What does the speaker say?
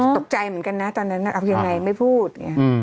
ตกใจเหมือนกันนะตอนนั้นเอายังไงไม่พูด